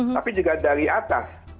tapi juga dari atas